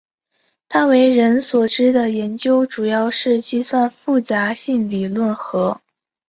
他为人所知的研究主要是计算复杂性理论和。